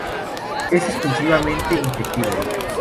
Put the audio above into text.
Es exclusivamente insectívoro.